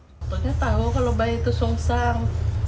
sebetulnya tahu kalau bayi itu sungsang